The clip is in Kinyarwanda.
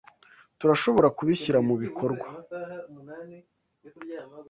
Turashobora kubishyira mubikorwa?